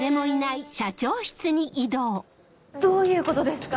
どういうことですか？